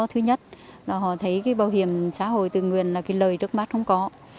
thứ nhất họ thấy bảo hiểm xã hội tự nguyện là lời trước mắt không có